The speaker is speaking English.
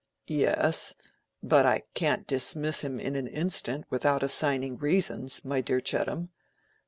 "Yes, but I can't dismiss him in an instant without assigning reasons, my dear Chettam.